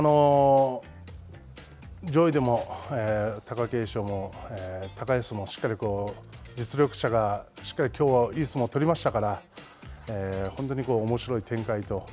上位でも貴景勝も高安も、しっかり実力者がしっかりきょうはいい相撲を取りましたから本当におもしろい展開と。